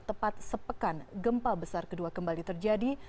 tepat sepekan gempa besar kedua kembali terjadi